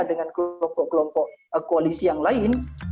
dengan kelompok kelompok koalisi yang lain